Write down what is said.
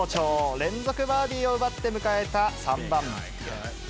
連続バーディーを奪って迎えた３番。